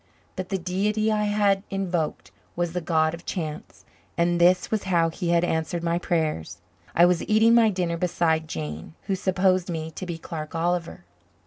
But the deity I had invoked was the god of chance and this was how he had answered my prayers. I was eating my dinner beside Jane, who supposed me to be Clark Oliver!